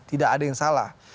tidak ada yang salah